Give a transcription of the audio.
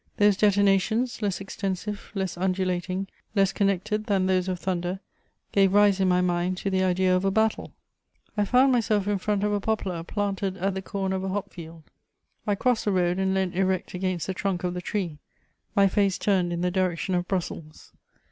Those detonations, less extensive, less undulating, less connected than those of thunder, gave rise in my mind to the idea of a battle. I found myself in front of a poplar planted at the corner of a hop field. I crossed the road and leant erect against the trunk of the tree, my face turned in the direction of Brussels.